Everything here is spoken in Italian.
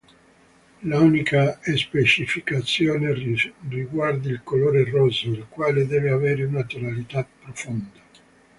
L'unica specificazione riguarda il colore rosso, il quale deve avere una tonalità “profonda”.